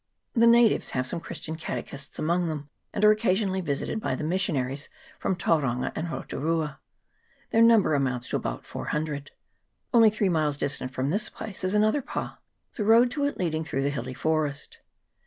The na tives have some Christian catechists amongst them, and are occasionally visited by the missionaries from Tauranga and Roturua. Their number amounts to about 400. Only three miles distant from this place is another pa, the road to it leading through the hilly forest.